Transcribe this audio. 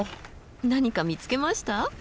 何か見つけました？